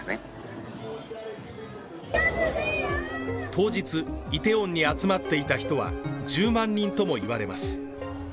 当日、イテウォンに集まっていた人は１０万人とも言われます。